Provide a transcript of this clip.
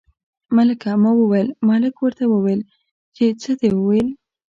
ملکه ما ویل، ملک ورته وویل چې څه دې ویل.